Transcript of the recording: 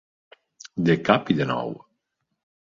De cap i de nou.